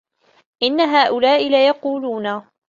إِنَّ هؤُلاءِ لَيَقولونَ